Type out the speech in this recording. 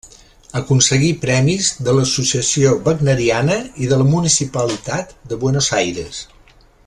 Aconseguí premis de l'Associació Wagneriana i de la Municipalitat de Buenos Aires.